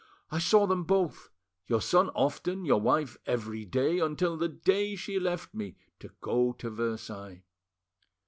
I saw them both, your son often, your wife every day, until the day she left me to go to Versailles.